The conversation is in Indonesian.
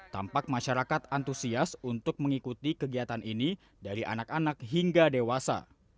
tampak masyarakat antusias untuk mengikuti kegiatan ini dari anak anak hingga dewasa